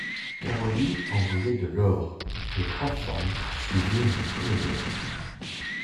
Caroline envoyait de l'or ! Les trois femmes suivirent le colonel.